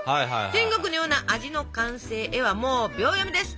天国のような味の完成へはもう秒読みです！